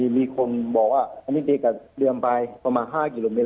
มีคนบอกว่าอันนี้ตีกับเรือมไปประมาณ๕กิโลเมต